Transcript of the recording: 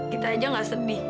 kita aja gak sedih